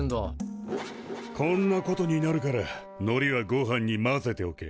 こんなことになるからのりはごはんに混ぜておけ。